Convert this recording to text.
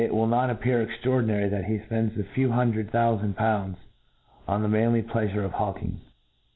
will not ap pear extraordinary, that he fpends a few hundred thoufand pounds on the manly pleafure of hawk ing.